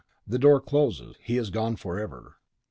The door closes! He is gone forever!